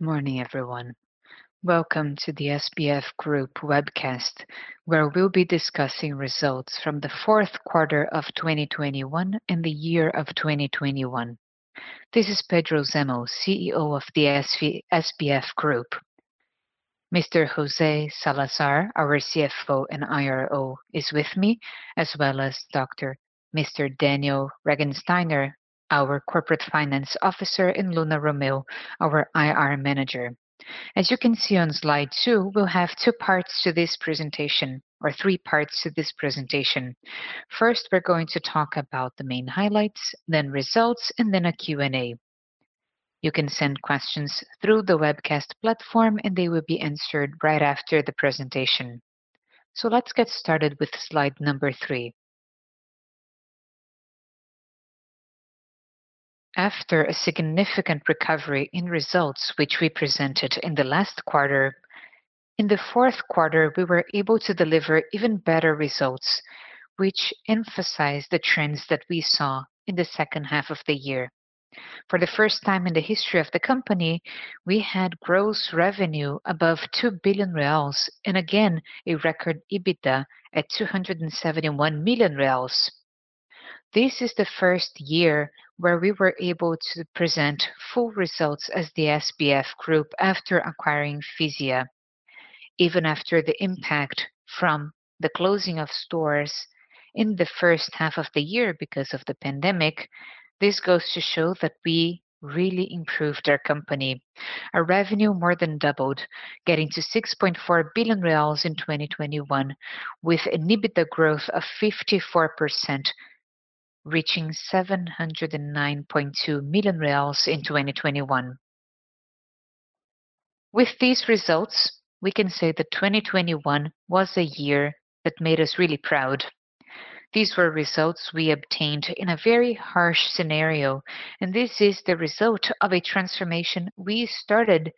Good morning, everyone. Welcome to the Grupo SBF webcast, where we'll be discussing results from the Q4 of 2021 and the year of 2021. This is Pedro Zemel, CEO of Grupo SBF. Mr. José Salazar, our CFO and IRO, is with me, as well as Mr. Daniel Regensteiner, our corporate finance officer, and Luna Romeu, our IR manager. As you can see on slide two, we'll have two parts to this presentation or three parts to this presentation. First, we're going to talk about the main highlights, then results, and then a Q&A. You can send questions through the webcast platform, and they will be answered right after the presentation. Let's get started with slide number three. After a significant recovery in results which we presented in the last quarter, in the Q4 we were able to deliver even better results, which emphasize the trends that we saw in the H2 of the year. For the first time in the history of the company, we had gross revenue above 2 billion reais and again, a record EBITDA at 271 million reais. This is the first year where we were able to present full results as the Grupo SBF after acquiring Fisia. Even after the impact from the closing of stores in the H1 of the year because of the pandemic, this goes to show that we really improved our company. Our revenue more than doubled, getting to 6.4 billion reais in 2021, with an EBITDA growth of 54%, reaching BRL 709.2 million in 2021. With these results, we can say that 2021 was a year that made us really proud. These were results we obtained in a very harsh scenario, and this is the result of a transformation we started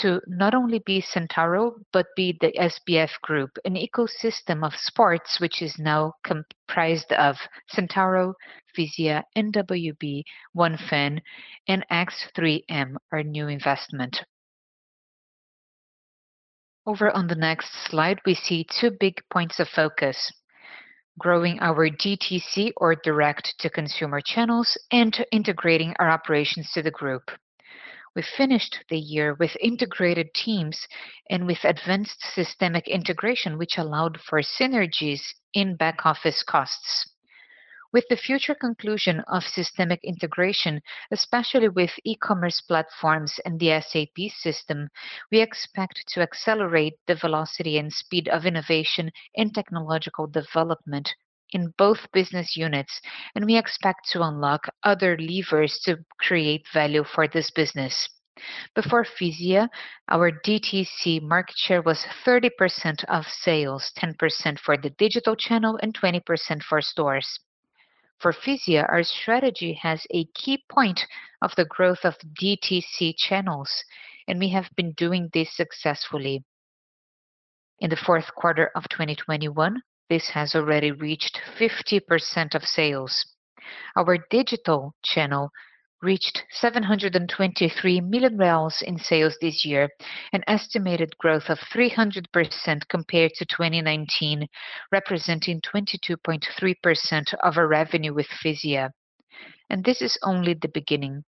to not only be Centauro but be the SBF Group, an ecosystem of sports which is now comprised of Centauro, Fisia, NWB, OneFan, and X3M, our new investment. Over on the next slide, we see two big points of focus, growing our DTC or direct-to-consumer channels and integrating our operations to the group. We finished the year with integrated teams and with advanced systemic integration, which allowed for synergies in back office costs. With the future conclusion of systemic integration, especially with e-commerce platforms and the SAP system, we expect to accelerate the velocity and speed of innovation and technological development in both business units, and we expect to unlock other levers to create value for this business. Before Fisia, our DTC market share was 30% of sales, 10% for the digital channel and 20% for stores. For Fisia, our strategy has a key point of the growth of DTC channels, and we have been doing this successfully. In the Q4 of 2021, this has already reached 50% of sales. Our digital channel reached 723 million reais in sales this year, an estimated growth of 300% compared to 2019, representing 22.3% of our revenue with Fisia. This is only the beginning.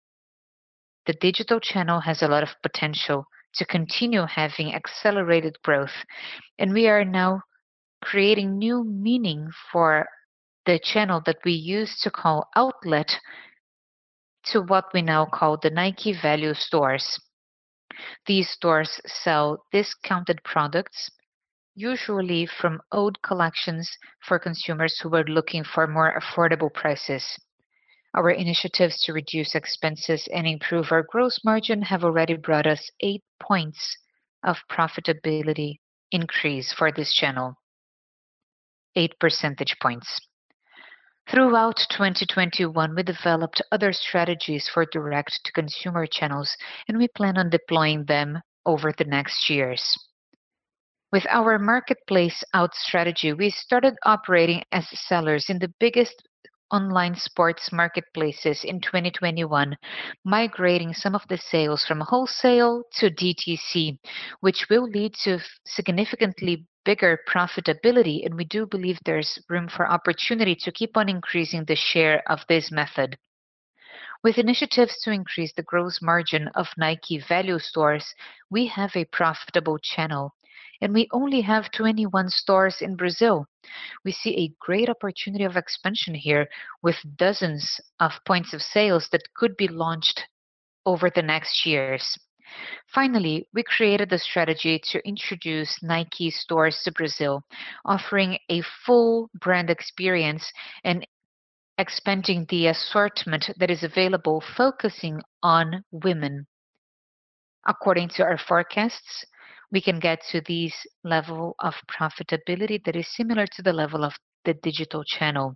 The digital channel has a lot of potential to continue having accelerated growth, and we are now creating new meaning for the channel that we used to call Outlet to what we now call the Nike Value Stores. These stores sell discounted products, usually from old collections for consumers who are looking for more affordable prices. Our initiatives to reduce expenses and improve our gross margin have already brought us eight points of profitability increase for this channel. 8 percentage points. Throughout 2021, we developed other strategies for direct-to-consumer channels, and we plan on deploying them over the next years. With our marketplace out strategy, we started operating as sellers in the biggest online sports marketplaces in 2021, migrating some of the sales from wholesale to DTC, which will lead to significantly bigger profitability. We do believe there's room for opportunity to keep on increasing the share of this method. With initiatives to increase the gross margin of Nike Value Stores, we have a profitable channel, and we only have 21 stores in Brazil. We see a great opportunity of expansion here with dozens of points of sale that could be launched over the next years. Finally, we created the strategy to introduce Nike stores to Brazil, offering a full brand experience and expanding the assortment that is available, focusing on women. According to our forecasts, we can get to this level of profitability that is similar to the level of the digital channel,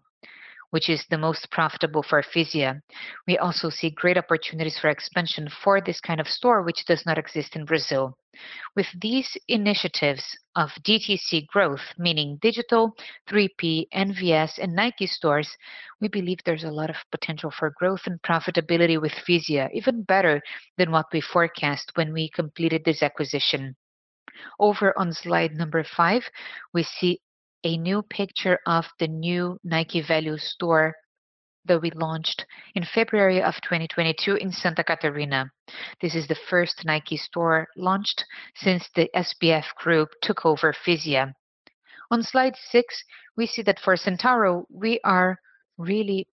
which is the most profitable for Fisia. We also see great opportunities for expansion for this kind of store, which does not exist in Brazil. With these initiatives of DTC growth, meaning digital, 3P, NVS, and Nike stores, we believe there's a lot of potential for growth and profitability with Fisia, even better than what we forecast when we completed this acquisition. Over on slide five, we see a new picture of the new Nike Value store that we launched in February 2022 in Santa Catarina. This is the first Nike store launched since the Grupo SBF took over Fisia. On slide six, we see that for Centauro, we are really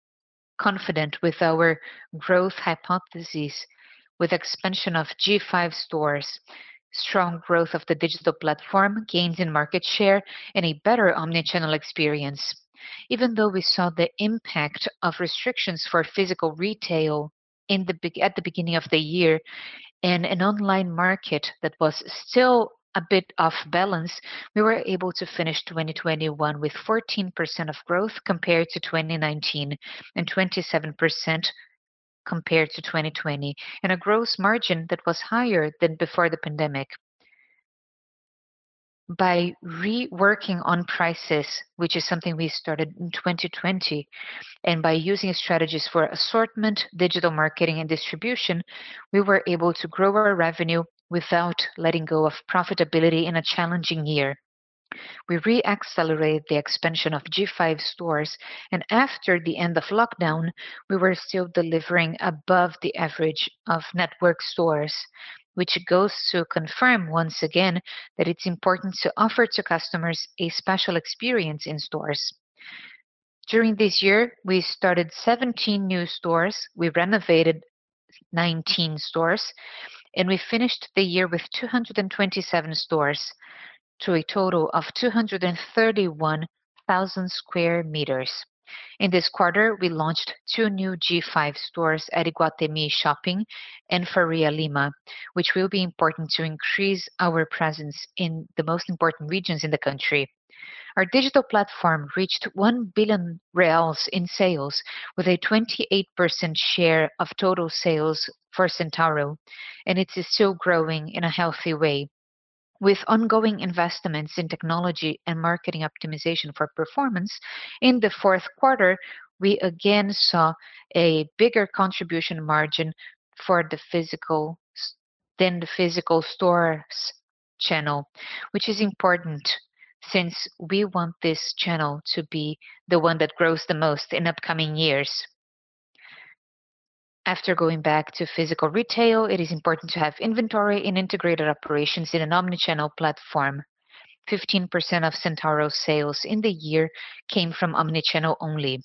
confident with our growth hypothesis with expansion of G5 stores, strong growth of the digital platform, gains in market share, and a better omni-channel experience. Even though we saw the impact of restrictions for physical retail at the beginning of the year and an online market that was still a bit off-balance, we were able to finish 2021 with 14% growth compared to 2019 and 27% compared to 2020, and a gross margin that was higher than before the pandemic. By reworking on prices, which is something we started in 2020, and by using strategies for assortment, digital marketing, and distribution, we were able to grow our revenue without letting go of profitability in a challenging year. We re-accelerated the expansion of G5 stores, and after the end of lockdown, we were still delivering above the average of network stores, which goes to confirm once again that it's important to offer to customers a special experience in stores. During this year, we started 17 new stores, we renovated 19 stores, and we finished the year with 227 stores to a total of 231,000 sq m. In this quarter, we launched two new G5 stores at Iguatemi Shopping and Faria Lima, which will be important to increase our presence in the most important regions in the country. Our digital platform reached 1 billion reais in sales with a 28% share of total sales for Centauro, and it is still growing in a healthy way. With ongoing investments in technology and marketing optimization for performance, in the Q4, we again saw a bigger contribution margin for the digital than the physical stores channel, which is important since we want this channel to be the one that grows the most in upcoming years. After going back to physical retail, it is important to have inventory and integrated operations in an omni-channel platform. 15% of Centauro's sales in the year came from omni-channel only.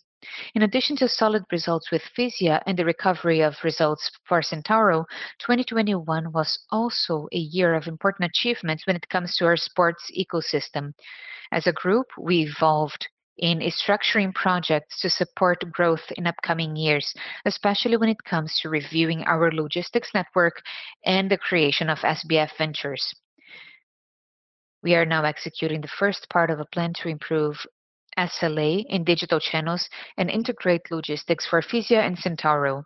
In addition to solid results with Fisia and the recovery of results for Centauro, 2021 was also a year of important achievements when it comes to our sports ecosystem. As a group, we evolved in structuring projects to support growth in upcoming years, especially when it comes to reviewing our logistics network and the creation of SBF Ventures. We are now executing the first part of a plan to improve SLA in digital channels and integrate logistics for Fisia and Centauro.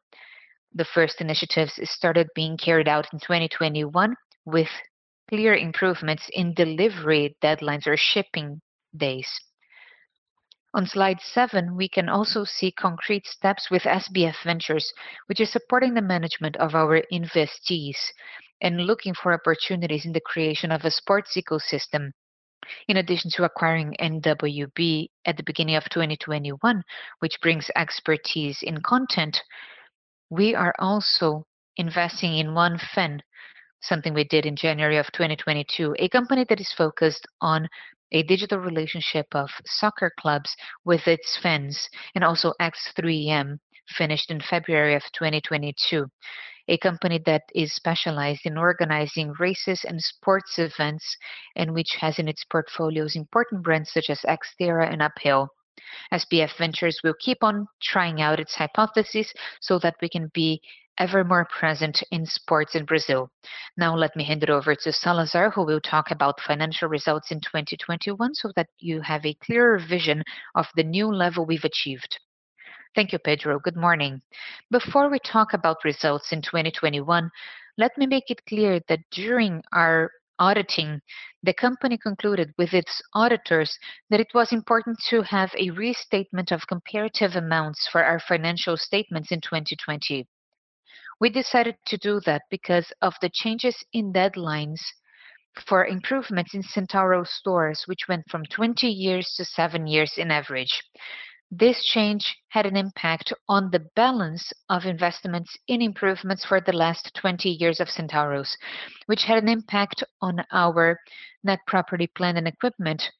The first initiatives started being carried out in 2021 with clear improvements in delivery deadlines or shipping days. On slide seven, we can also see concrete steps with SBF Ventures, which is supporting the management of our investees and looking for opportunities in the creation of a sports ecosystem. In addition to acquiring NWB at the beginning of 2021, which brings expertise in content, we are also investing in OneFan, something we did in January 2022, a company that is focused on a digital relationship of soccer clubs with its fans. Also X3M finished in February 2022, a company that is specialized in organizing races and sports events and which has in its portfolios important brands such as XTERRA and Uphill. SBF Ventures will keep on trying out its hypothesis so that we can be ever more present in sports in Brazil. Now let me hand it over to Salazar, who will talk about financial results in 2021 so that you have a clearer vision of the new level we've achieved. Thank you, Pedro. Good morning. Before we talk about results in 2021, let me make it clear that during our auditing, the company concluded with its auditors that it was important to have a restatement of comparative amounts for our financial statements in 2020. We decided to do that because of the changes in deadlines for improvements in Centauro stores, which went from 20 years to seven years on average. This change had an impact on the balance of investments in improvements for the last 20 years of Centauro's, which had an impact on our net property, plant and equipment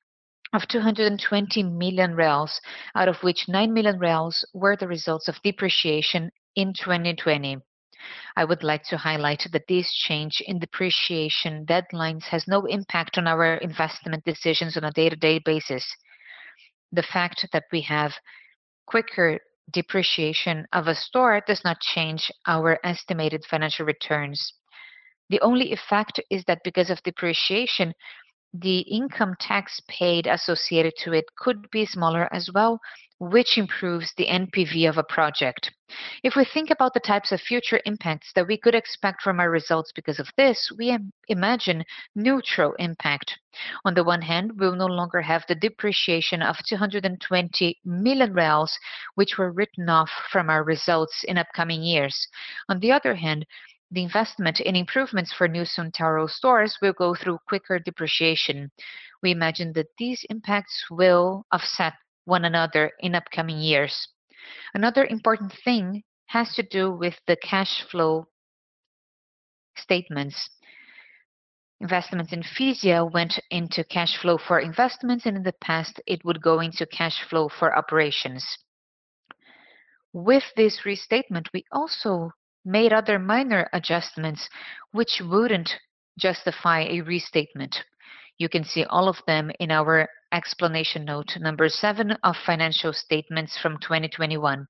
of 220 million reais, out of which 9 million reais were the results of depreciation in 2020. I would like to highlight that this change in depreciation deadlines has no impact on our investment decisions on a day-to-day basis. The fact that we have quicker depreciation of a store does not change our estimated financial returns. The only effect is that because of depreciation, the income tax paid associated to it could be smaller as well, which improves the NPV of a project. If we think about the types of future impacts that we could expect from our results because of this, we imagine neutral impact. On the one hand, we'll no longer have the depreciation of 220 million reais, which were written off from our results in upcoming years. On the other hand, the investment in improvements for new Centauro stores will go through quicker depreciation. We imagine that these impacts will offset one another in upcoming years. Another important thing has to do with the cash flow statements. Investments in Fisia went into cash flow for investments, and in the past, it would go into cash flow for operations. With this restatement, we also made other minor adjustments which wouldn't justify a restatement. You can see all of them in our explanation note number seven of financial statements from 2021.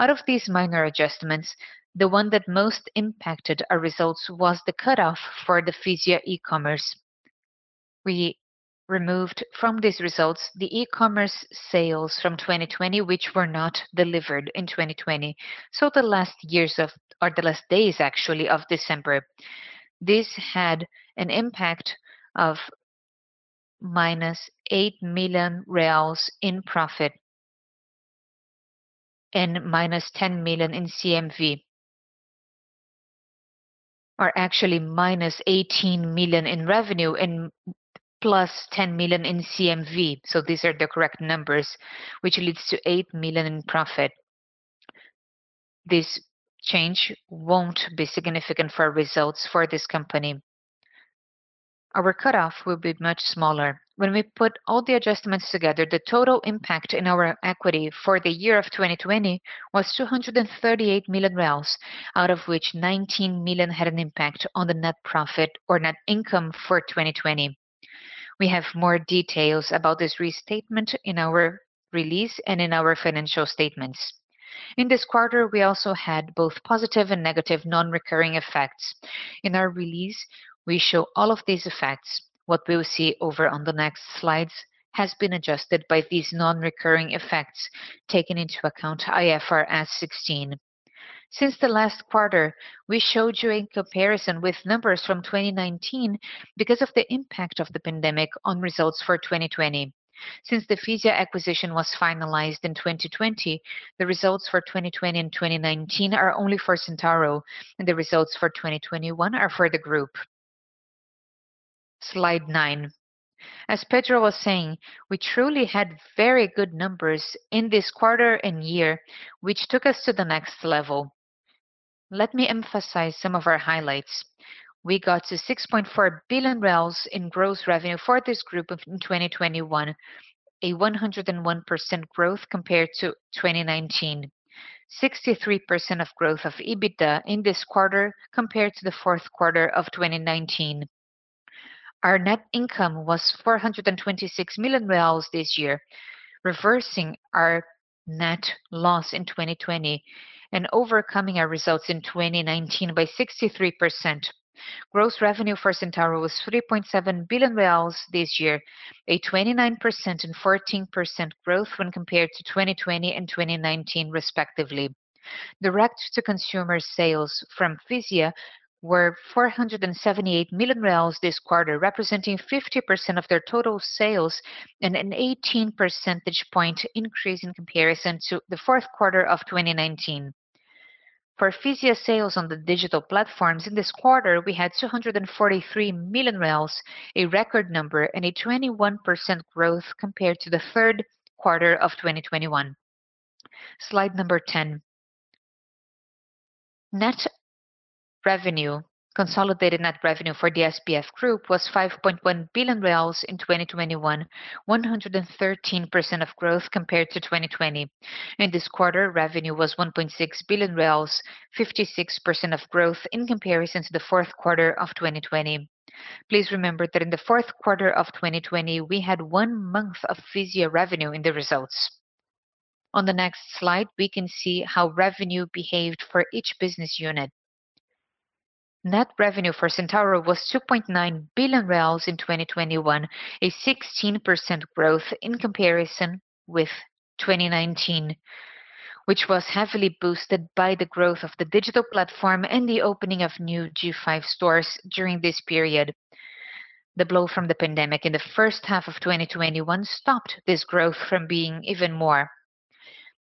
Out of these minor adjustments, the one that most impacted our results was the cutoff for the Fisia e-commerce. We removed from these results the e-commerce sales from 2020, which were not delivered in 2020, the last days, actually, of December. This had an impact of -8 million reais in profit and -10 million in CMV. Actually -18 million in revenue and +10 million in CMV, these are the correct numbers, which leads to 8 million in profit. This change won't be significant for results for this company. Our cutoff will be much smaller. When we put all the adjustments together, the total impact in our equity for the year of 2020 was 238 million reais, out of which 19 million had an impact on the net profit or net income for 2020. We have more details about this restatement in our release and in our financial statements. In this quarter, we also had both positive and negative non-recurring effects. In our release, we show all of these effects. What we will see over on the next slides has been adjusted by these non-recurring effects, taking into account IFRS 16. Since the last quarter, we showed you a comparison with numbers from 2019 because of the impact of the pandemic on results for 2020. Since the Fisia acquisition was finalized in 2020, the results for 2020 and 2019 are only for Centauro, and the results for 2021 are for the group. Slide nine. As Pedro was saying, we truly had very good numbers in this quarter and year, which took us to the next level. Let me emphasize some of our highlights. We got to 6.4 billion in gross revenue for this group in 2021, a 101% growth compared to 2019. 63% growth of EBITDA in this quarter compared to the Q4 of 2019. Our net income was 426 million reais this year, reversing our net loss in 2020 and overcoming our results in 2019 by 63%. Gross revenue for Centauro was 3.7 billion reais this year, a 29% and 14% growth when compared to 2020 and 2019 respectively. Direct to consumer sales from Fisia were 478 million reais this quarter, representing 50% of their total sales and an eighteen percentage point increase in comparison to the Q4 of 2019. For Fisia sales on the digital platforms in this quarter, we had 243 million, a record number and a 21% growth compared to the Q3 of 2021. Slide 10. Net revenue, consolidated net revenue for Grupo SBF was 5.1 billion reais in 2021, 113% growth compared to 2020. In this quarter, revenue was 1.6 billion reais, 56% growth in comparison to the Q4r of 2020. Please remember that in the Q4 of 2020, we had one month of Fisia revenue in the results. On the next slide, we can see how revenue behaved for each business unit. Net revenue for Centauro was 2.9 billion reais in 2021, a 16% growth in comparison with 2019, which was heavily boosted by the growth of the digital platform and the opening of new G5 stores during this period. The blow from the pandemic in the H1 of 2021 stopped this growth from being even more.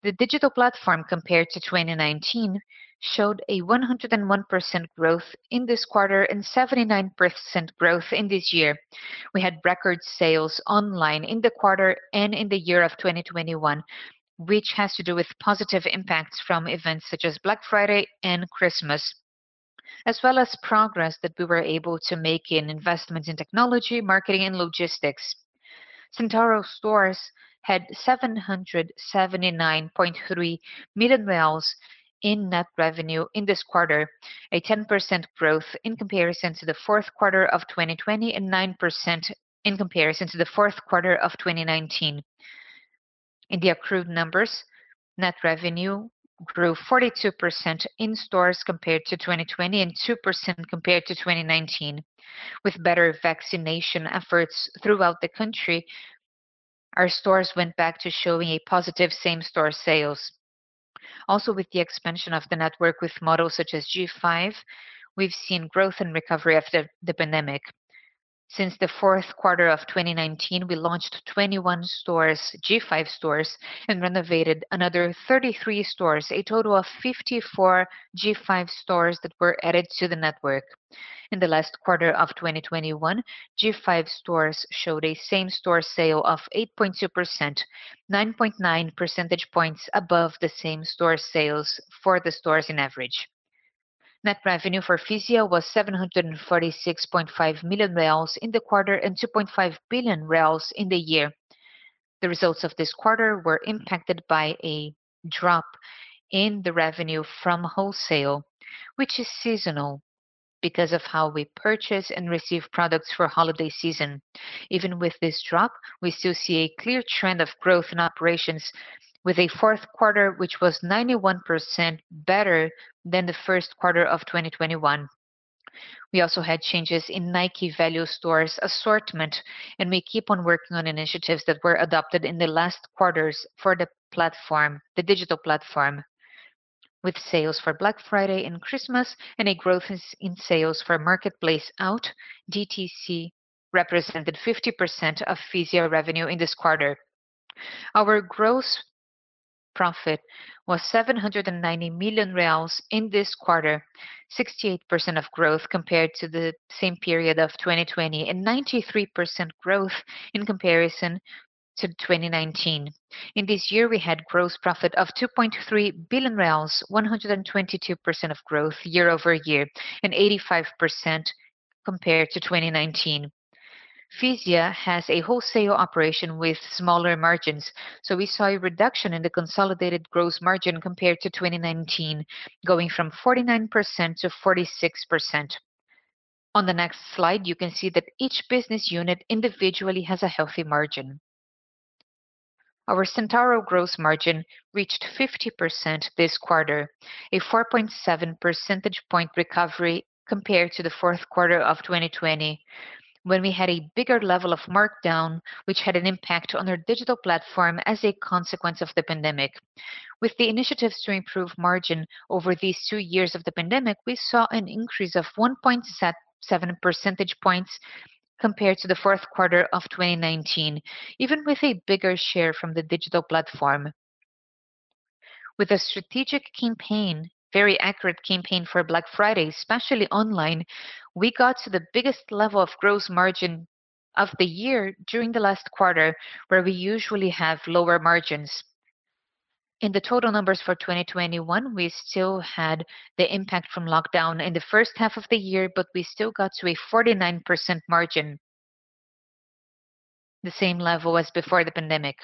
The digital platform compared to 2019 showed a 101% growth in this quarter and 79% growth in this year. We had record sales online in the quarter and in the year of 2021, which has to do with positive impacts from events such as Black Friday and Christmas, as well as progress that we were able to make in investments in technology, marketing, and logistics. Centauro stores had 779.3 million in net revenue in this quarter, a 10% growth in comparison to the Q4 of 2020 and 9% in comparison to the Q4 of 2019. In the accrued numbers, net revenue grew 42% in stores compared to 2020 and 2% compared to 2019. With better vaccination efforts throughout the country, our stores went back to showing a positive same-store sales. Also, with the expansion of the network with models such as G5, we've seen growth and recovery after the pandemic. Since the Q4 of 2019, we launched 21 stores, G5 stores, and renovated another 33 stores, a total of 54 G5 stores that were added to the network. In the last quarter of 2021, G5 stores showed a same-store sales of 8.2%, 9.9 percentage points above the same-store sales for the stores on average. Net revenue for Fisia was 746.5 million reais in the quarter and 2.5 billion reais in the year. The results of this quarter were impacted by a drop in the revenue from wholesale, which is seasonal because of how we purchase and receive products for holiday season. Even with this drop, we still see a clear trend of growth in operations with a Q4 which was 91% better than the Q1 of 2021. We also had changes in Nike Value Stores assortment, and we keep on working on initiatives that were adopted in the last quarters for the platform, the digital platform with sales for Black Friday and Christmas and a growth in s-in sales for Marketplace out. DTC represented 50% of Fisia revenue in this quarter. Our gross profit was 790 million reais in this quarter, 68% of growth compared to the same period of 2020 and 93% growth in comparison to 2019. In this year, we had gross profit of 2.3 billion reais, 122% of growth year-over-year and 85% compared to 2019. Fisia has a wholesale operation with smaller margins, so we saw a reduction in the consolidated gross margin compared to 2019, going from 49% to 46%. On the next slide, you can see that each business unit individually has a healthy margin. Our Centauro gross margin reached 50% this quarter, a 4.7 percentage point recovery compared to the Q4 of 2020 when we had a bigger level of markdown, which had an impact on our digital platform as a consequence of the pandemic. With the initiatives to improve margin over these two years of the pandemic, we saw an increase of 1.7 percentage points compared to the Q4 of 2019, even with a bigger share from the digital platform. With a strategic campaign, very accurate campaign for Black Friday, especially online, we got to the biggest level of gross margin of the year during the last quarter where we usually have lower margins. In the total numbers for 2021, we still had the impact from lockdown in the H1 of the year, but we still got to a 49% margin, the same level as before the pandemic.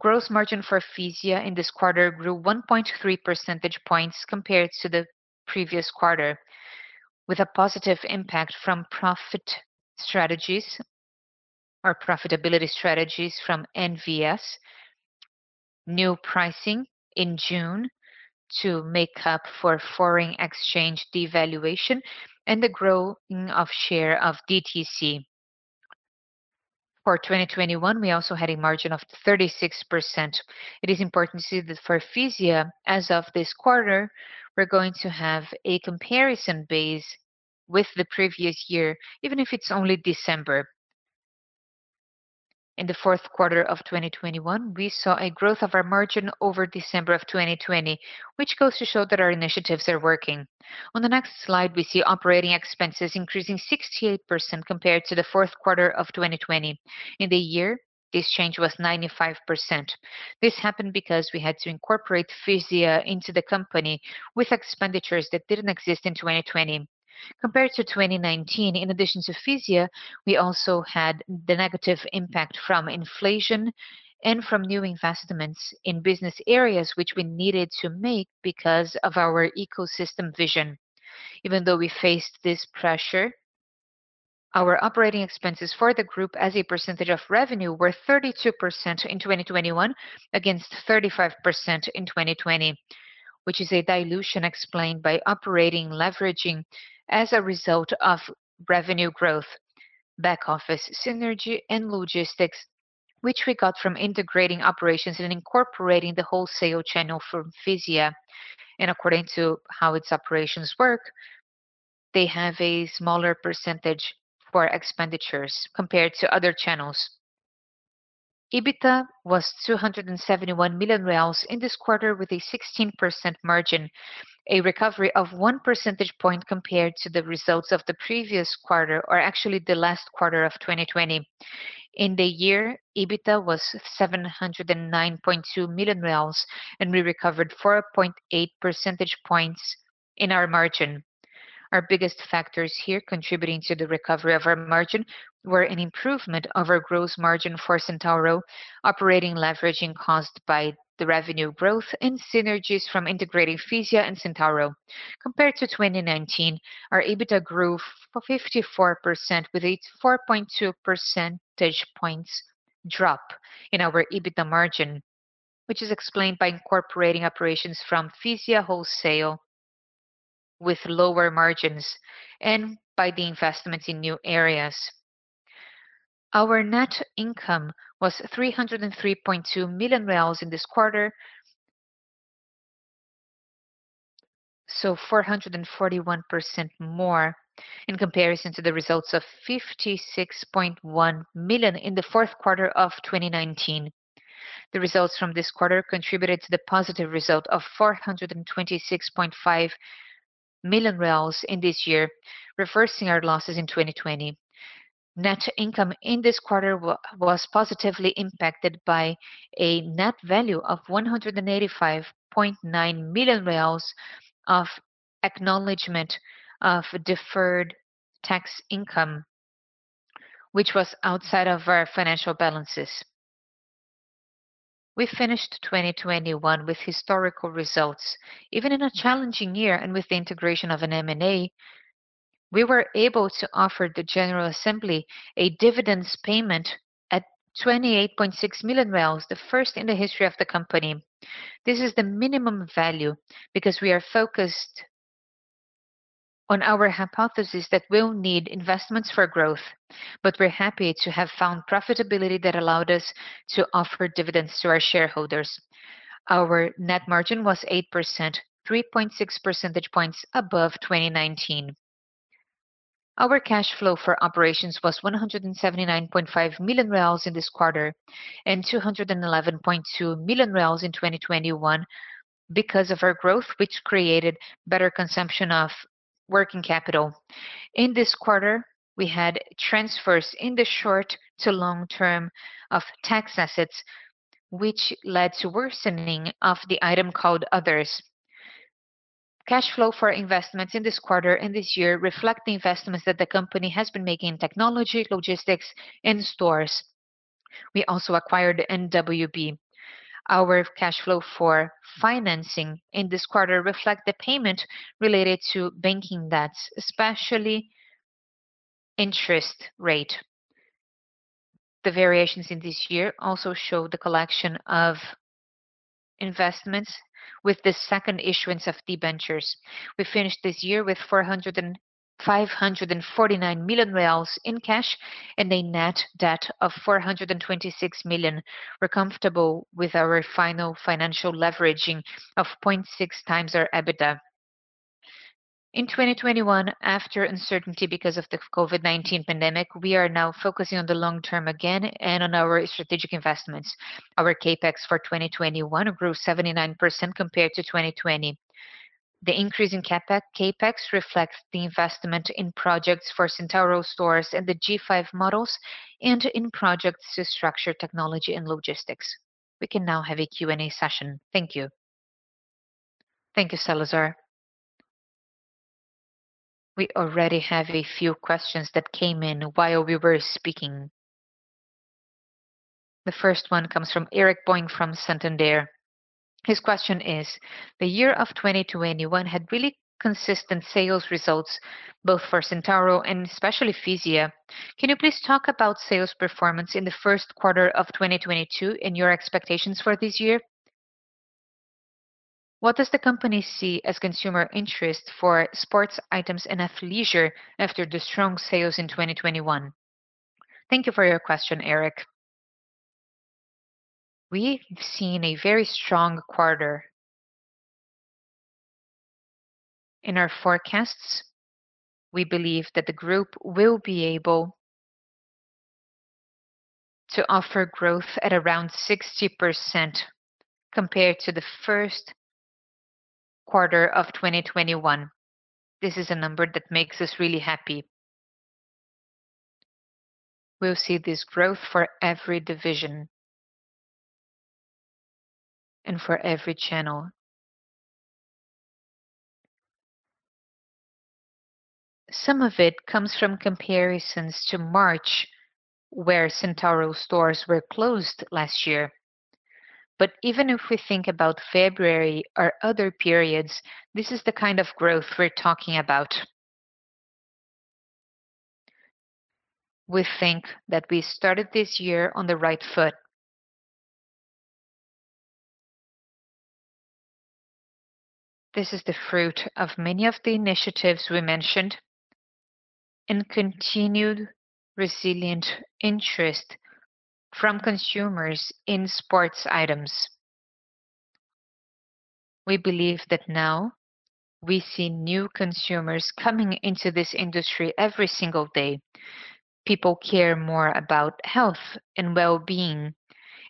Gross margin for Fisia in this quarter grew 1.3 percentage points compared to the previous quarter with a positive impact from profit strategies or profitability strategies from NVS, new pricing in June to make up for foreign exchange devaluation and the growing share of DTC. For 2021, we also had a margin of 36%. It is important to see that for Fisia, as of this quarter, we're going to have a comparison base with the previous year, even if it's only December. In the Q4 of 2021, we saw a growth of our margin over December of 2020, which goes to show that our initiatives are working. On the next slide, we see operating expenses increasing 68% compared to the Q4 of 2020. In the year, this change was 95%. This happened because we had to incorporate CIESA into the company with expenditures that didn't exist in 2020. Compared to 2019, in addition to Fisia, we also had the negative impact from inflation and from new investments in business areas which we needed to make because of our ecosystem vision. Even though we faced this pressure, our operating expenses for the group as a percentage of revenue were 32% in 2021 against 35% in 2020, which is a dilution explained by operating leveraging as a result of revenue growth, back office synergy and logistics which we got from integrating operations and incorporating the wholesale channel from Fisia. According to how its operations work, they have a smaller percentage for expenditures compared to other channels. EBITDA was 271 million reais in this quarter with a 16% margin, a recovery of 1 percentage point compared to the results of the previous quarter or actually the last quarter of 2020. In the year, EBITDA was 709.2 million reais, and we recovered 4.8 percentage points in our margin. Our biggest factors here contributing to the recovery of our margin were an improvement of our gross margin for Centauro operating leverage caused by the revenue growth and synergies from integrating Fisia and Centauro. Compared to 2019, our EBITDA grew 54% with a 4.2 percentage points drop in our EBITDA margin, which is explained by incorporating operations from Fisia wholesale with lower margins and by the investments in new areas. Our net income was 303.2 million reais in this quarter, 441% more in comparison to the results of 56.1 million in the Q4 of 2019. The results from this quarter contributed to the positive result of 426.5 million reais in this year, reversing our losses in 2020. Net income in this quarter was positively impacted by a net value of 185.9 million reais of acknowledgment of deferred tax income, which was outside of our financial balances. We finished 2021 with historical results. Even in a challenging year and with the integration of an M&A, we were able to offer the general assembly a dividends payment at 28.6 million, the first in the history of the company. This is the minimum value because we are focused on our hypothesis that we'll need investments for growth, but we're happy to have found profitability that allowed us to offer dividends to our shareholders. Our net margin was 8%, 3.6 percentage points above 2019. Our cash flow for operations was 179.5 million reais in this quarter and 211.2 million reais in 2021 because of our growth, which created better consumption of working capital. In this quarter, we had transfers in the short to long term of tax assets, which led to worsening of the item called others. Cash flow for investments in this quarter and this year reflect the investments that the company has been making in technology, logistics, and stores. We also acquired NWB. Our cash flow for financing in this quarter reflect the payment related to banking debts, especially interest rate. The variations in this year also show the collection of investments with the second issuance of debentures. We finished this year with 549 million reais in cash and a net debt of 426 million. We're comfortable with our final financial leveraging of 0.6x our EBITDA. In 2021, after uncertainty because of the COVID-19 pandemic, we are now focusing on the long term again and on our strategic investments. Our CapEx for 2021 grew 79% compared to 2020. The increase in CapEx reflects the investment in projects for Centauro stores and the G5 models and in projects to structure technology and logistics. We can now have a Q&A session. Thank you. Thank you, Salazar. We already have a few questions that came in while we were speaking. The first one comes from Eric Huang from Santander. His question is: The year of 2021 had really consistent sales results both for Centauro and especially Fisia. Can you please talk about sales performance in the Q1of 2022 and your expectations for this year? What does the company see as consumer interest for sports items and athleisure after the strong sales in 2021? Thank you for your question, Eric. We've seen a very strong quarter. In our forecasts, we believe that the group will be able to offer growth at around 60% compared to the Q1 of 2021. This is a number that makes us really happy. We'll see this growth for every division and for every channel. Some of it comes from comparisons to March, where Centauro stores were closed last year. Even if we think about February or other periods, this is the kind of growth we're talking about. We think that we started this year on the right foot. This is the fruit of many of the initiatives we mentioned and continued resilient interest from consumers in sports items. We believe that now we see new consumers coming into this industry every single day. People care more about health and well-being,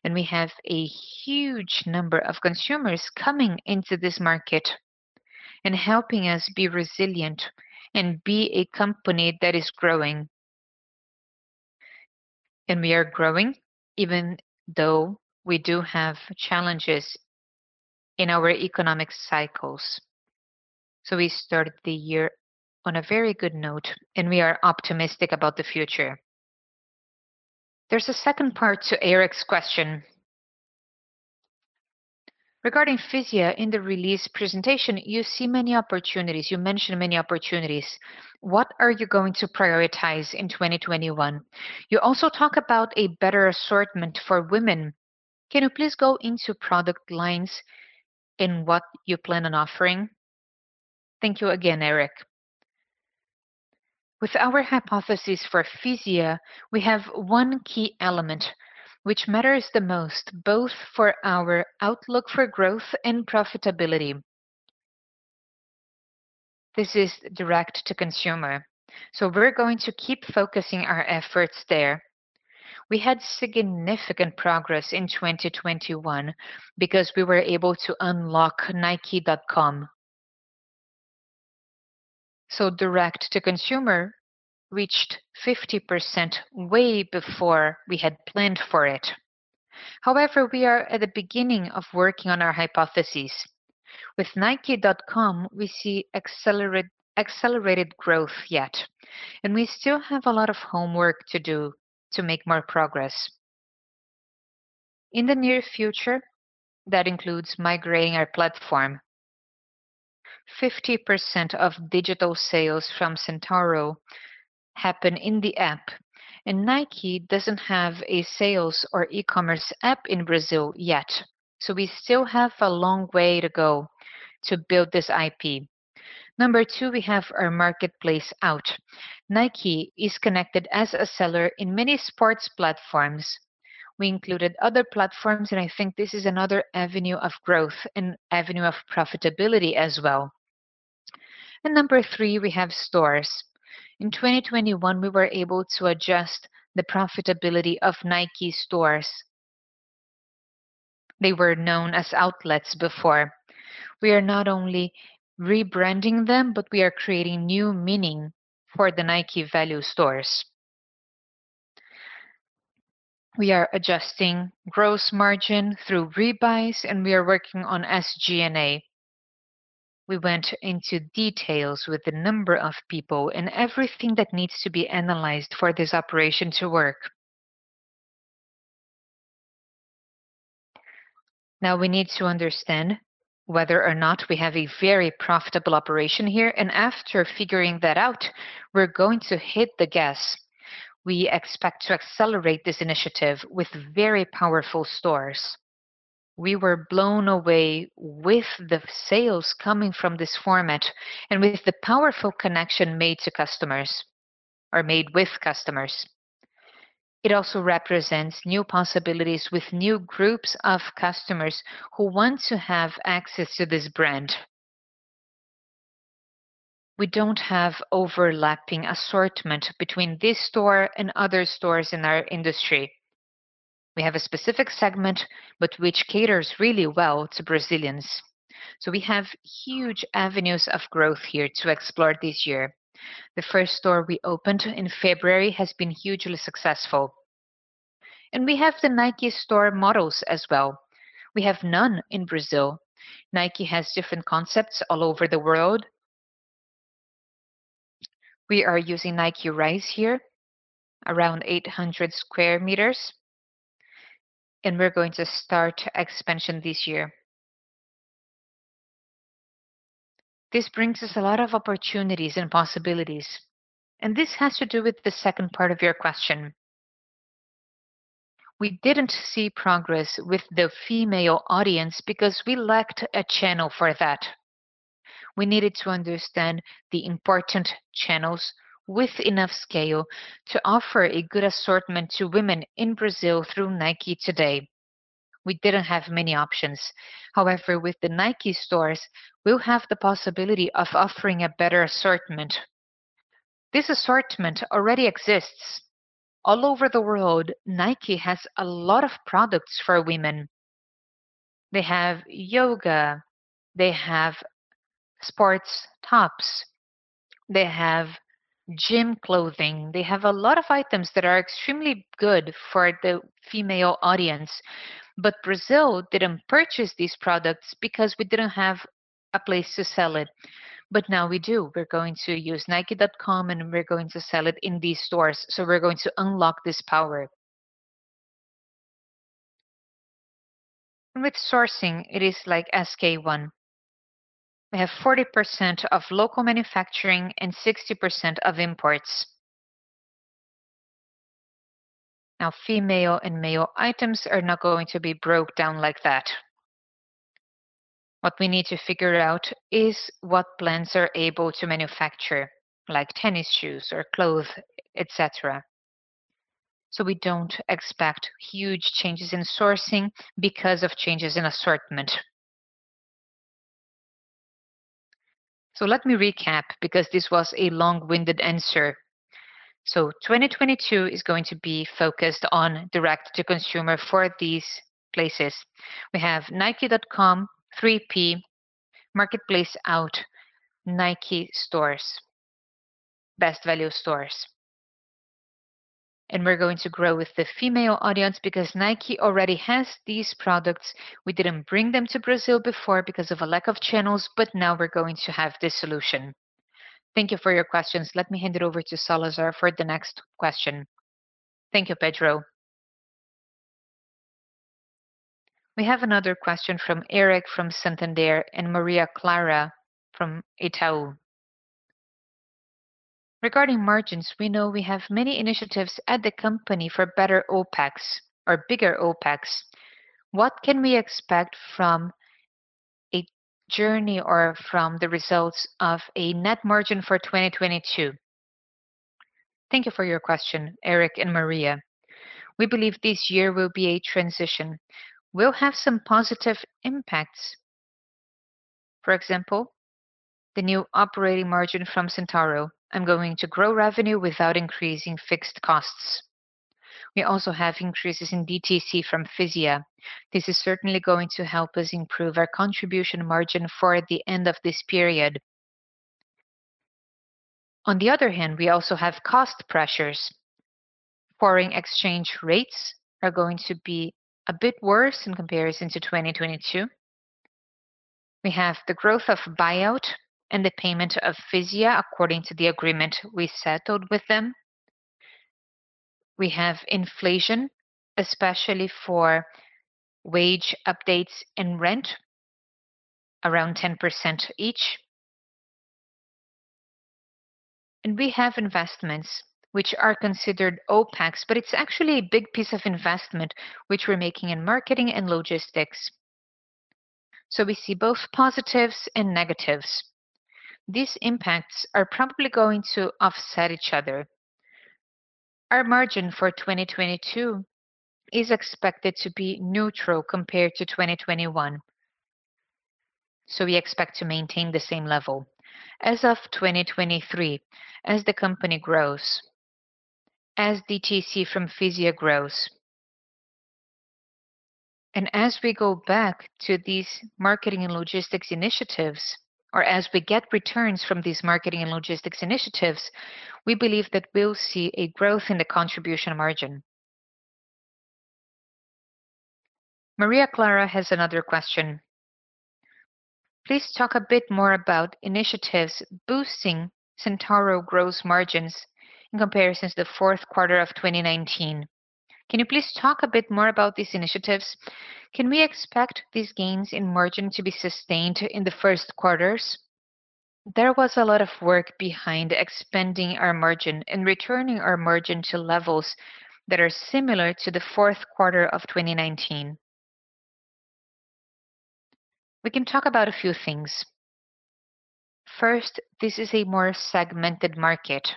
and we have a huge number of consumers coming into this market and helping us be resilient and be a company that is growing. We are growing even though we do have challenges in our economic cycles. We started the year on a very good note, and we are optimistic about the future. There's a second part to Eric's question. Regarding Fisia, in the release presentation, you see many opportunities. You mention many opportunities. What are you going to prioritize in 2021? You also talk about a better assortment for women. Can you please go into product lines and what you plan on offering? Thank you again, Eric. With our hypothesis for Fisia, we have one key element which matters the most, both for our outlook for growth and profitability. This is direct to consumer. We're going to keep focusing our efforts there. We had significant progress in 2021 because we were able to unlock nike.com. Direct to consumer reached 50% way before we had planned for it. However, we are at the beginning of working on our hypothesis. With nike.com, we see accelerated growth yet, and we still have a lot of homework to do to make more progress. In the near future, that includes migrating our platform. 50% of digital sales from Centauro happen in the app, and Nike doesn't have a sales or e-commerce app in Brazil yet. We still have a long way to go to build this IP. Number two, we have our marketplace out. Nike is connected as a seller in many sports platforms. We included other platforms, and I think this is another avenue of growth and avenue of profitability as well. Number three, we have stores. In 2021, we were able to adjust the profitability of Nike stores. They were known as outlets before. We are not only rebranding them, but we are creating new meaning for the Nike Value Stores. We are adjusting gross margin through rebuy, and we are working on SG&A. We went into details with the number of people and everything that needs to be analyzed for this operation to work. Now we need to understand whether or not we have a very profitable operation here, and after figuring that out, we're going to hit the gas. We expect to accelerate this initiative with very powerful stores. We were blown away with the sales coming from this format and with the powerful connection made to customers or made with customers. It also represents new possibilities with new groups of customers who want to have access to this brand. We don't have overlapping assortment between this store and other stores in our industry. We have a specific segment, but which caters really well to Brazilians. We have huge avenues of growth here to explore this year. The first store we opened in February has been hugely successful. We have the Nike store models as well. We have none in Brazil. Nike has different concepts all over the world. We are using Nike Rise here, around 800 sq m, and we're going to start expansion this year. This brings us a lot of opportunities and possibilities, and this has to do with the second part of your question. We didn't see progress with the female audience because we lacked a channel for that. We needed to understand the important channels with enough scale to offer a good assortment to women in Brazil through Nike today. We didn't have many options. However, with the Nike stores, we'll have the possibility of offering a better assortment. This assortment already exists. All over the world, Nike has a lot of products for women. They have yoga, they have sports tops, they have gym clothing. They have a lot of items that are extremely good for the female audience. Brazil didn't purchase these products because we didn't have a place to sell it. Now we do. We're going to use nike.com, and we're going to sell it in these stores. We're going to unlock this power. With sourcing, it is like SK-One. We have 40% of local manufacturing and 60% of imports. Now, female and male items are not going to be broken down like that. What we need to figure out is what plants are able to manufacture, like tennis shoes or clothes, et cetera. We don't expect huge changes in sourcing because of changes in assortment. Let me recap because this was a long-winded answer. 2022 is going to be focused on direct to consumer for these places. We have nike.com, 3P, marketplace out, Nike stores, Nike Value Stores. We're going to grow with the female audience because Nike already has these products. We didn't bring them to Brazil before because of a lack of channels, but now we're going to have this solution. Thank you for your questions. Let me hand it over to Salazar for the next question. Thank you, Pedro. We have another question from Eric from Santander and Maria Clara from Itaú. Regarding margins, we know we have many initiatives at the company for better OPEX or bigger OPEX. What can we expect from a journey or from the results of a net margin for 2022? Thank you for your question, Eric and Maria. We believe this year will be a transition. We'll have some positive impacts. For example, the new operating margin from Centauro and going to grow revenue without increasing fixed costs. We also have increases in DTC from Fisia. This is certainly going to help us improve our contribution margin for the end of this period. On the other hand, we also have cost pressures. Foreign exchange rates are going to be a bit worse in comparison to 2022. We have the growth of buyout and the payment of Fisia according to the agreement we settled with them. We have inflation, especially for wage updates and rent, around 10% each. We have investments which are considered OPEX, but it's actually a big piece of investment which we're making in marketing and logistics. We see both positives and negatives. These impacts are probably going to offset each other. Our margin for 2022 is expected to be neutral compared to 2021. We expect to maintain the same level. As of 2023, as the company grows, as DTC from Fisia grows, and as we go back to these marketing and logistics initiatives or as we get returns from these marketing and logistics initiatives, we believe that we'll see a growth in the contribution margin. Maria Clara has another question. Please talk a bit more about initiatives boosting Centauro gross margins in comparison to the Q4 of 2019. Can you please talk a bit more about these initiatives? Can we expect these gains in margin to be sustained in the Q1s? There was a lot of work behind expanding our margin and returning our margin to levels that are similar to the Q4 of 2019. We can talk about a few things. First, this is a more segmented market.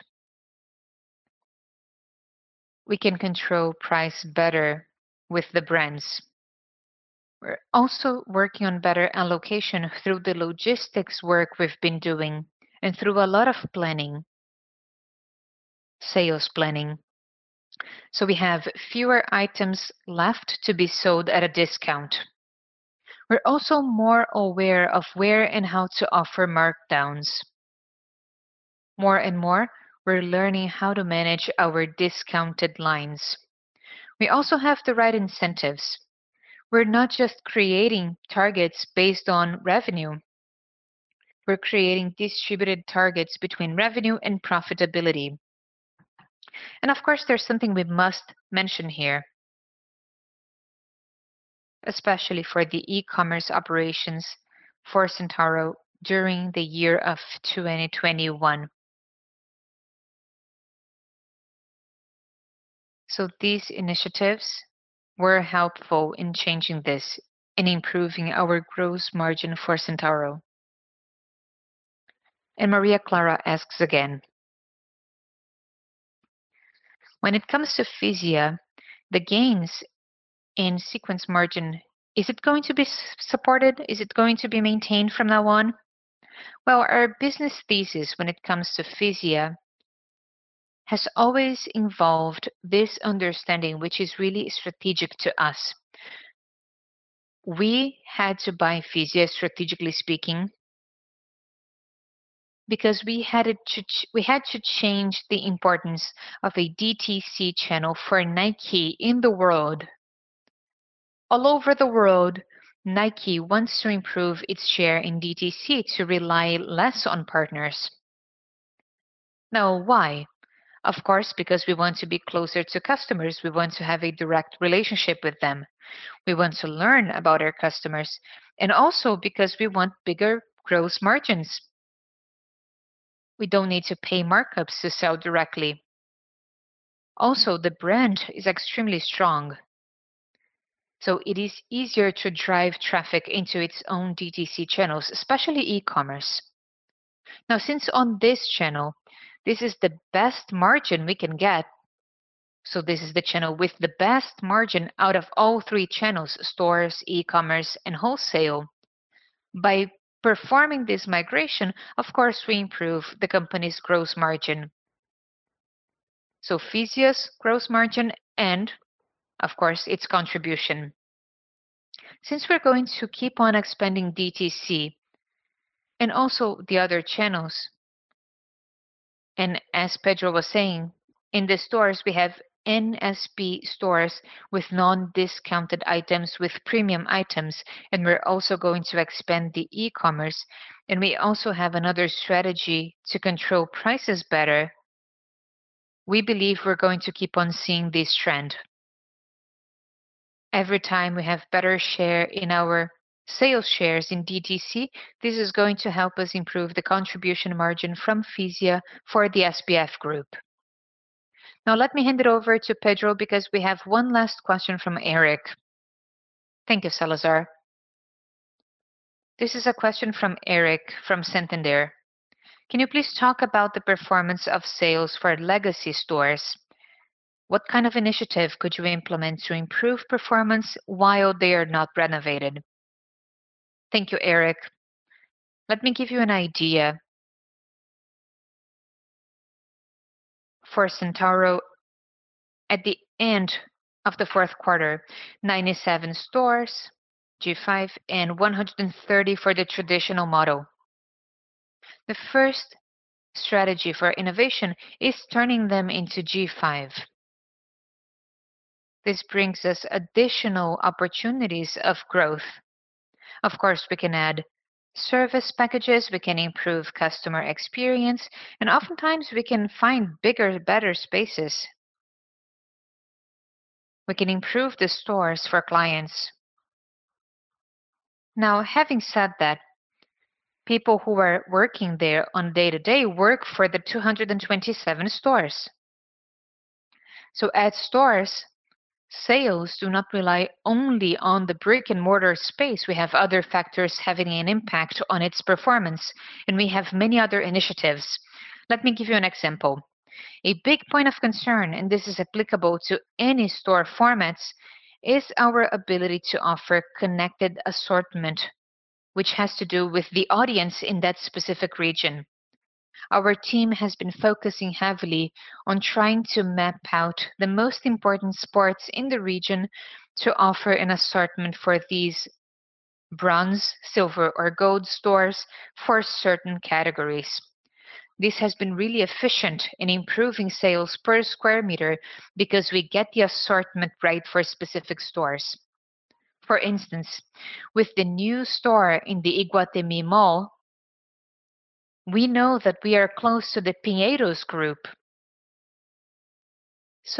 We can control price better with the brands. We're also working on better allocation through the logistics work we've been doing and through a lot of planning, sales planning. We have fewer items left to be sold at a discount. We're also more aware of where and how to offer markdowns. More and more, we're learning how to manage our discounted lines. We also have the right incentives. We're not just creating targets based on revenue. We're creating distributed targets between revenue and profitability. Of course, there's something we must mention here, especially for the e-commerce operations for Centauro during the year of 2021. These initiatives were helpful in changing this and improving our gross margin for Centauro. Maria Clara asks again. When it comes to Fisia, the gains in sequential margin, is it going to be supported? Is it going to be maintained from now on? Well, our business thesis when it comes to Fisia has always involved this understanding, which is really strategic to us. We had to buy Fisia, strategically speaking, because we had to change the importance of a DTC channel for Nike in the world. All over the world, Nike wants to improve its share in DTC to rely less on partners. Now, why? Of course, because we want to be closer to customers. We want to have a direct relationship with them. We want to learn about our customers, and also because we want bigger gross margins. We don't need to pay markups to sell directly. Also, the brand is extremely strong, so it is easier to drive traffic into its own DTC channels, especially e-commerce. Now, since on this channel, this is the best margin we can get. This is the channel with the best margin out of all three channels: stores, e-commerce, and wholesale. By performing this migration, of course, we improve the company's gross margin. Fisia's gross margin and of course, its contribution. Since we're going to keep on expanding DTC and also the other channels, and as Pedro was saying, in the stores, we have NSP stores with non-discounted items, with premium items, and we're also going to expand the e-commerce. We also have another strategy to control prices better. We believe we're going to keep on seeing this trend. Every time we have better share in our sales share in DTC, this is going to help us improve the contribution margin from Fisia for the SBF group. Now let me hand it over to Pedro because we have one last question from Eric. Thank you, Salazar. This is a question from Eric from Santander. Can you please talk about the performance of sales for legacy stores? What kind of initiative could you implement to improve performance while they are not renovated? Thank you, Eric. Let me give you an idea. For Centauro, at the end of the Q4, 97 stores G5 and 130 for the traditional model. The first strategy for innovation is turning them into G5. This brings us additional opportunities of growth. Of course, we can add service packages, we can improve customer experience, and oftentimes we can find bigger, better spaces. We can improve the stores for clients. Now, having said that, people who are working there on day-to-day work for the 227 stores. So at stores, sales do not rely only on the brick-and-mortar space. We have other factors having an impact on its performance, and we have many other initiatives. Let me give you an example. A big point of concern, and this is applicable to any store formats, is our ability to offer connected assortment, which has to do with the audience in that specific region. Our team has been focusing heavily on trying to map out the most important sports in the region to offer an assortment for these bronze, silver or gold stores for certain categories. This has been really efficient in improving sales per square meter because we get the assortment right for specific stores. For instance, with the new store in the Iguatemi Mall, we know that we are close to the Pinheiros Group.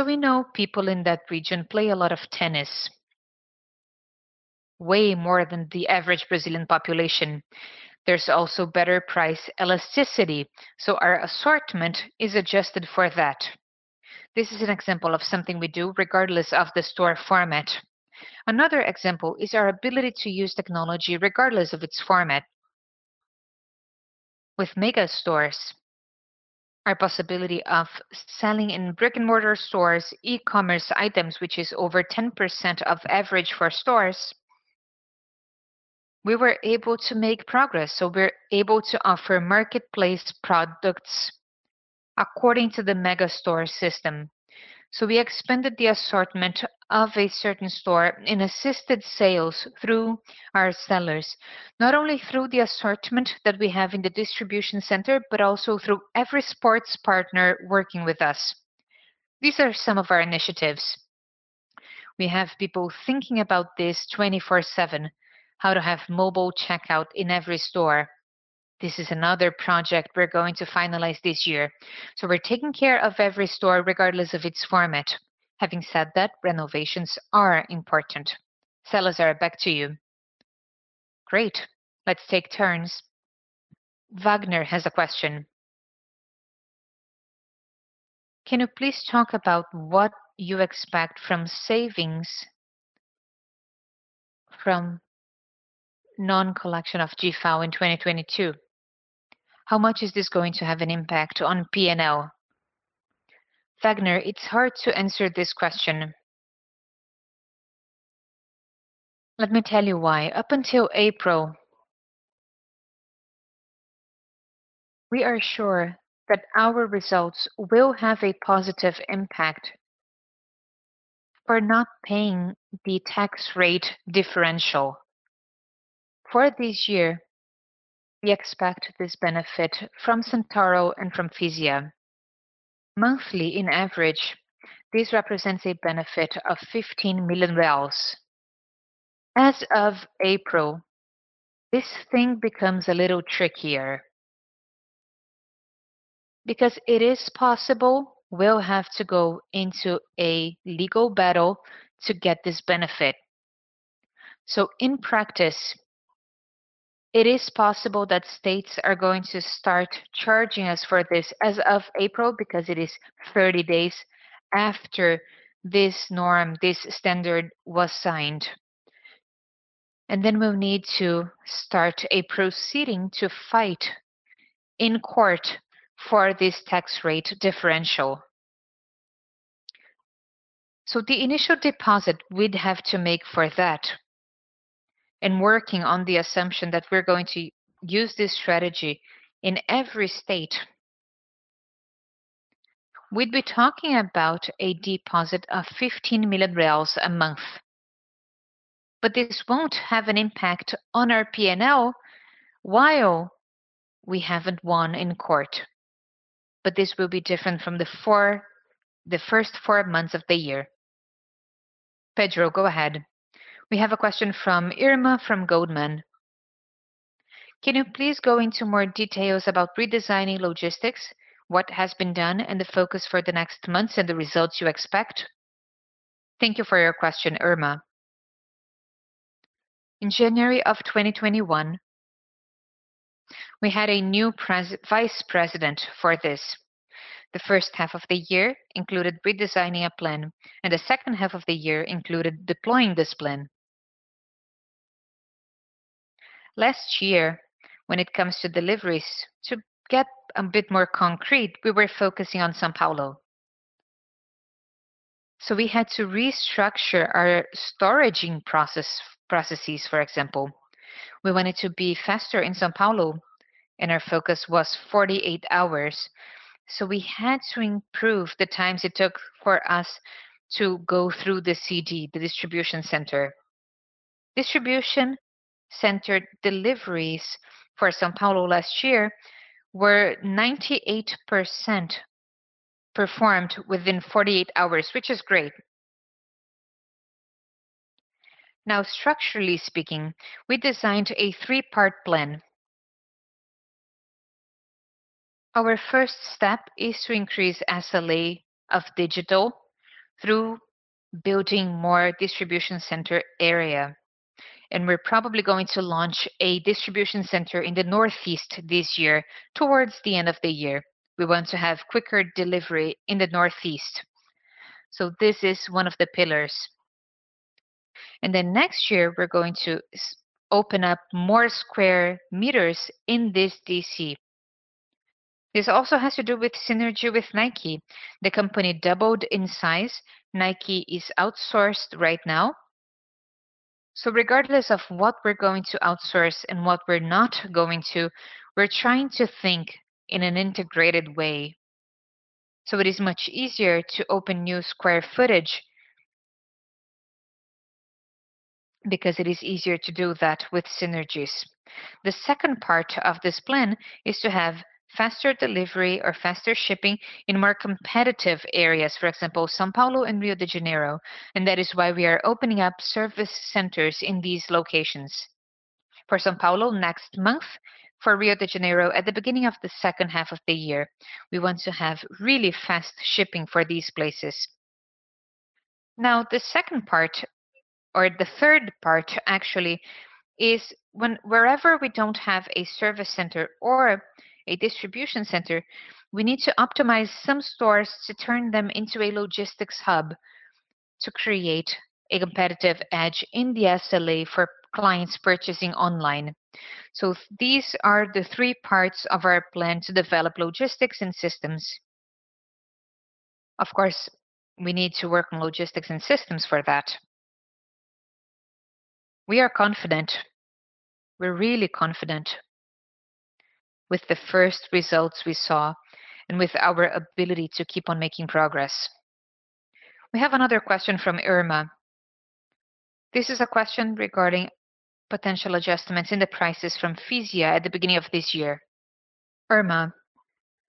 We know people in that region play a lot of tennis, way more than the average Brazilian population. There's also better price elasticity, so our assortment is adjusted for that. This is an example of something we do regardless of the store format. Another example is our ability to use technology regardless of its format. With mega stores, our possibility of selling in brick-and-mortar stores, e-commerce items, which is over 10% of average for stores, we were able to make progress. We're able to offer marketplace products according to the mega store system. We expanded the assortment of a certain store in assisted sales through our sellers, not only through the assortment that we have in the distribution center, but also through every sports partner working with us. These are some of our initiatives. We have people thinking about this 24/7, how to have mobile checkout in every store. This is another project we're going to finalize this year. We're taking care of every store regardless of its format. Having said that, renovations are important. Salazar, back to you. Great. Let's take turns. Wagner has a question. Can you please talk about what you expect from savings from non-collection of DIFAL in 2022? How much is this going to have an impact on P&L? Wagner, it's hard to answer this question. Let me tell you why. Up until April, we are sure that our results will have a positive impact for not paying the tax rate differential. For this year, we expect this benefit from Centauro and from Fisia. Monthly, on average, this represents a benefit of 15 million reais. As of April, this thing becomes a little trickier because it is possible we'll have to go into a legal battle to get this benefit. In practice, it is possible that states are going to start charging us for this as of April because it is 30 days after this norm, this standard was signed. Then we'll need to start a proceeding to fight in court for this tax rate differential. The initial deposit we'd have to make for that and working on the assumption that we're going to use this strategy in every state, we'd be talking about a deposit of 15 million reais a month. This won't have an impact on our P&L while we haven't won in court. This will be different from the first four months of the year. Pedro Zemel, go ahead. We have a question from Irma from Goldman. Can you please go into more details about redesigning logistics, what has been done, and the focus for the next months, and the results you expect? Thank you for your question, Irma. In January of 2021, we had a new vice president for this. The H1 of the year included redesigning a plan, and the H2 of the year included deploying this plan. Last year, when it comes to deliveries, to get a bit more concrete, we were focusing on São Paulo. We had to restructure our storage processes, for example. We wanted to be faster in São Paulo, and our focus was 48 hours. We had to improve the times it took for us to go through the DC, the distribution center. Distribution center deliveries for São Paulo last year were 98% performed within 48 hours, which is great. Now structurally speaking, we designed a three-part plan. Our first step is to increase SLA of digital through building more distribution center area. We're probably going to launch a distribution center in the northeast this year towards the end of the year. We want to have quicker delivery in the northeast. This is one of the pillars. Then next year we're going to open up more sq m in this DC. This also has to do with synergy with Nike. The company doubled in size. Nike is outsourced right now. Regardless of what we're going to outsource and what we're not going to, we're trying to think in an integrated way. It is much easier to open new square footage because it is easier to do that with synergies. The second part of this plan is to have faster delivery or faster shipping in more competitive areas, for example, São Paulo and Rio de Janeiro, and that is why we are opening up service centers in these locations, for São Paulo next month, for Rio de Janeiro at the beginning of the H2 of the year. We want to have really fast shipping for these places. Now, the second part or the third part actually is when wherever we don't have a service center or a distribution center, we need to optimize some stores to turn them into a logistics hub to create a competitive edge in the SLA for clients purchasing online. These are the three parts of our plan to develop logistics and systems. Of course, we need to work on logistics and systems for that. We are confident. We're really confident with the first results we saw and with our ability to keep on making progress. We have another question from Irma. This is a question regarding potential adjustments in the prices from Fisia at the beginning of this year. Irma,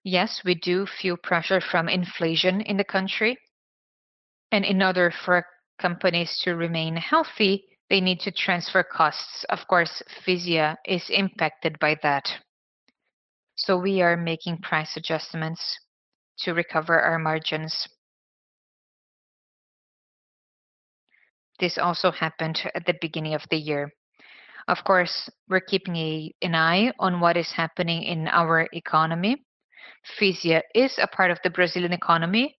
yes, we do feel pressure from inflation in the country. In order for companies to remain healthy, they need to transfer costs. Of course, Fisia is impacted by that. We are making price adjustments to recover our margins. This also happened at the beginning of the year. Of course, we're keeping an eye on what is happening in our economy. Fisia is a part of the Brazilian economy,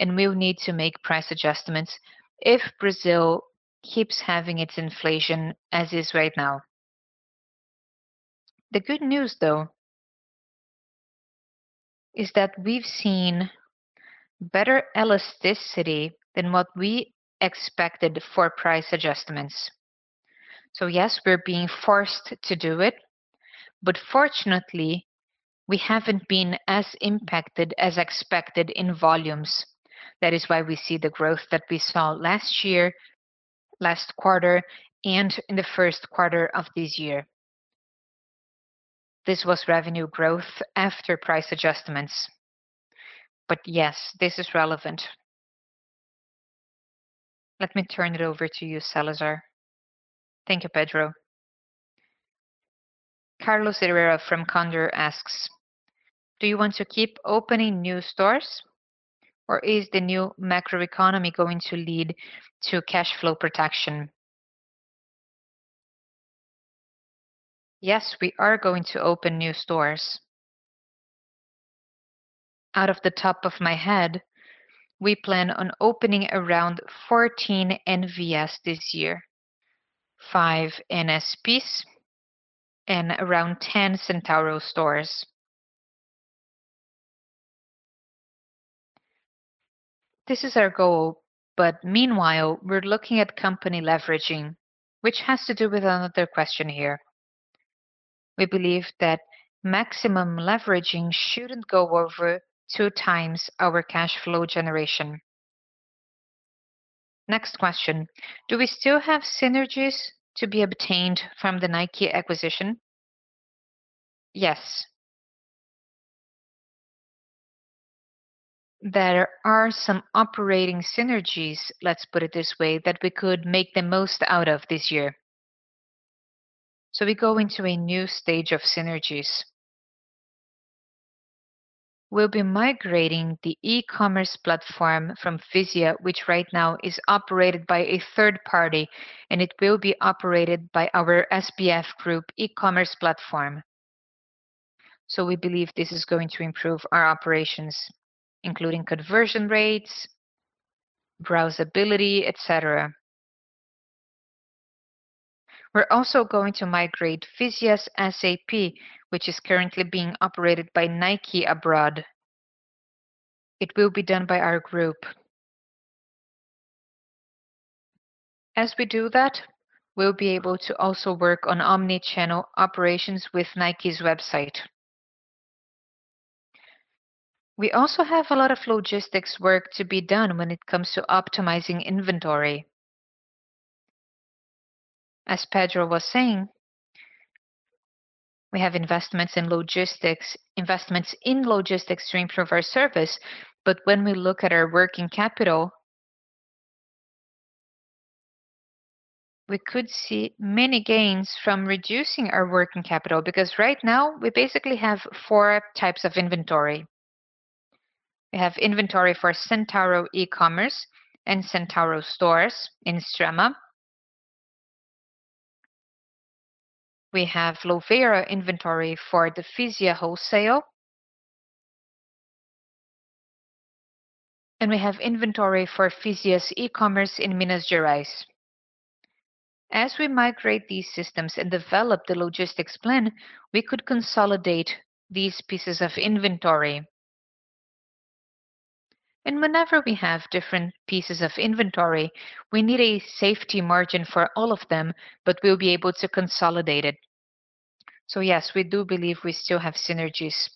and we'll need to make price adjustments if Brazil keeps having its inflation as is right now. The good news, though, is that we've seen better elasticity than what we expected for price adjustments. Yes, we're being forced to do it, but fortunately, we haven't been as impacted as expected in volumes. That is why we see the growth that we saw last year, last quarter, and in the Q1 of this year. This was revenue growth after price adjustments. Yes, this is relevant. Let me turn it over to you, Salazar. Thank you, Pedro. Carlos Herrera from Condor asks, Do you want to keep opening new stores or is the new macroeconomy going to lead to cash flow protection? Yes, we are going to open new stores. Out of the top of my head, we plan on opening around 14 NVS this year, 5 NSPs, and around 10 Centauro stores. This is our goal, but meanwhile, we're looking at company leveraging, which has to do with another question here. We believe that maximum leveraging shouldn't go over two times our cash flow generation. Next question. Do we still have synergies to be obtained from the Nike acquisition? Yes. There are some operating synergies, let's put it this way, that we could make the most out of this year. We go into a new stage of synergies. We'll be migrating the e-commerce platform from Fisia, which right now is operated by a third party, and it will be operated by our Grupo SBF e-commerce platform. We believe this is going to improve our operations, including conversion rates, browsability, et cetera. We're also going to migrate Fisia's SAP, which is currently being operated by Nike abroad. It will be done by our group. As we do that, we'll be able to also work on omni-channel operations with Nike's website. We also have a lot of logistics work to be done when it comes to optimizing inventory. As Pedro was saying, we have investments in logistics to improve our service. When we look at our working capital, we could see many gains from reducing our working capital because right now we basically have four types of inventory. We have inventory for Centauro e-commerce and Centauro stores in Extrema. We have Louveira inventory for the Fisia wholesale. We have inventory for Fisia's e-commerce in Minas Gerais. As we migrate these systems and develop the logistics plan, we could consolidate these pieces of inventory. Whenever we have different pieces of inventory, we need a safety margin for all of them, but we'll be able to consolidate it. Yes, we do believe we still have synergies.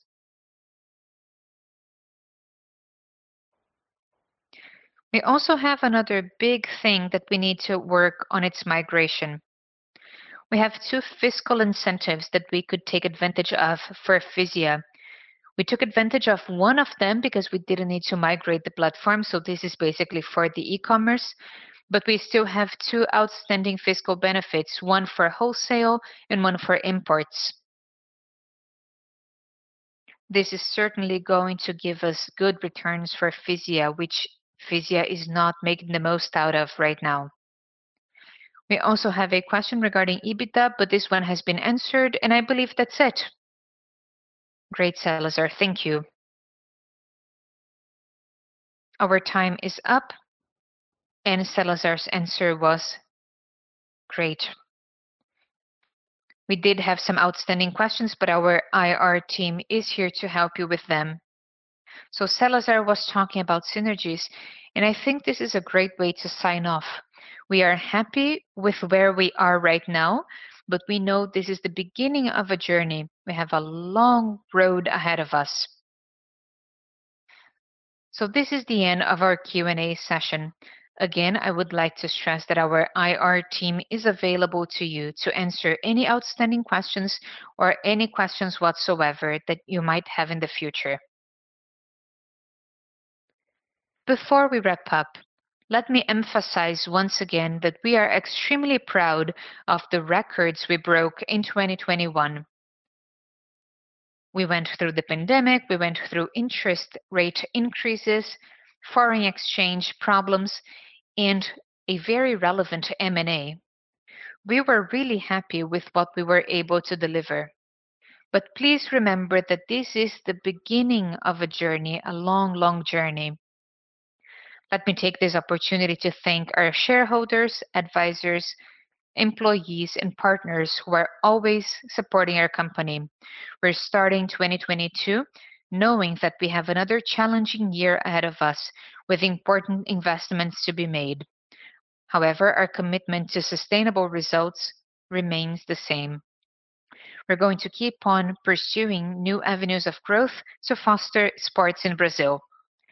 We also have another big thing that we need to work on, its migration. We have two fiscal incentives that we could take advantage of for Fisia. We took advantage of one of them because we didn't need to migrate the platform, so this is basically for the e-commerce. We still have two outstanding fiscal benefits, one for wholesale and one for imports. This is certainly going to give us good returns for Fisia, which Fisia is not making the most out of right now. We also have a question regarding EBITDA, but this one has been answered, and I believe that's it. Great, Salazar. Thank you. Our time is up, and Salazar's answer was great. We did have some outstanding questions, but our IR team is here to help you with them. Salazar was talking about synergies, and I think this is a great way to sign off. We are happy with where we are right now, but we know this is the beginning of a journey. We have a long road ahead of us. This is the end of our Q&A session. Again, I would like to stress that our IR team is available to you to answer any outstanding questions or any questions whatsoever that you might have in the future. Before we wrap up, let me emphasize once again that we are extremely proud of the records we broke in 2021. We went through the pandemic. We went through interest rate increases, foreign exchange problems, and a very relevant M&A. We were really happy with what we were able to deliver. Please remember that this is the beginning of a journey, a long, long journey. Let me take this opportunity to thank our shareholders, advisors, employees, and partners who are always supporting our company. We're starting 2022 knowing that we have another challenging year ahead of us with important investments to be made. However, our commitment to sustainable results remains the same. We're going to keep on pursuing new avenues of growth to foster sports in Brazil.